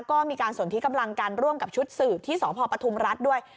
ก็มีการสนที่กำลังกันร่วมกับชุดสืบที่สพปทุมรัฐด้วย